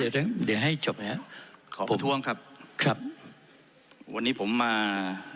เดี๋ยวให้จบแล้วขอประท้วงครับครับวันนี้ผมมา